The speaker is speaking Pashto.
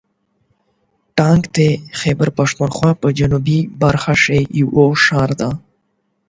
ټانک د خیبر پښتونخوا په جنوبي برخه کې یو ښار دی.